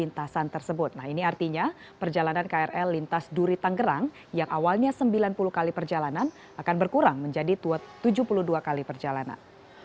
nah ini artinya perjalanan krl lintas duri tanggerang yang awalnya sembilan puluh kali perjalanan akan berkurang menjadi tujuh puluh dua kali perjalanan